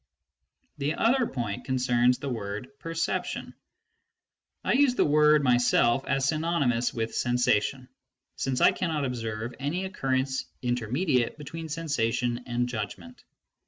The other point concerns the word " perception ". I use the word myself as synonymous with "sensation," since I cannot observe any occurrence intermediate between sensation and judgment.